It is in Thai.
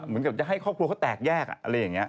เหมือนกับจะให้ครอบครัวเขาแตกแยกอะไรอย่างนี้